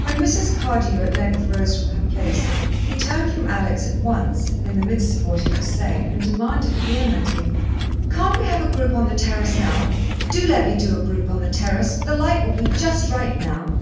When Mrs. Cardew at length rose from her place, he turned from Alex at once, in the midst of what he was saying, and demanded vehemently: "Can't we have a group on the terrace now? Do let me do a group on the terrace the light will be just right now."